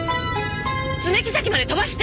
爪木崎まで飛ばして！